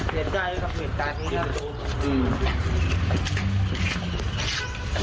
เป็นการนี้ครับ